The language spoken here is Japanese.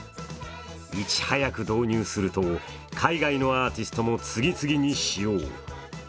いち早く導入すると海外のアーティストも次々に使用。